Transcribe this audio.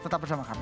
tetap bersama kami